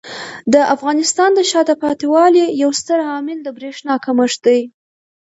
د افغانستان د شاته پاتې والي یو ستر عامل د برېښنا کمښت دی.